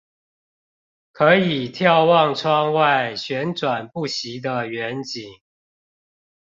可以眺望窗外旋轉不息的遠景